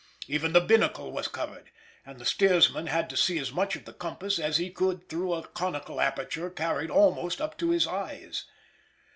Even the binnacle was covered, and the steersman had to see as much of the compass as he could through a conical aperture carried almost up to his eyes.